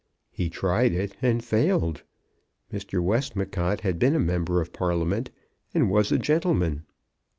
He tried it and failed. Mr. Westmacott had been a member of Parliament, and was a gentleman.